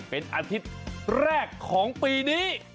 เป็นอาทิตย์แรกของปีนี้